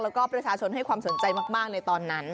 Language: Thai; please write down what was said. แล้วก็ประชาชนให้ความสนใจมากในตอนนั้น